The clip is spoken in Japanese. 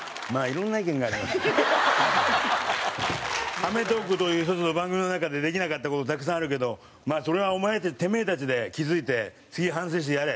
『アメトーーク』という一つの番組の中でできなかった事たくさんあるけどそれはお前たちてめえたちで気付いて次反省してやれ。